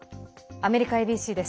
アメリカＡＢＣです。